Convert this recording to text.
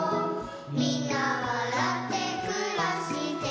「みんなわらってくらしてる」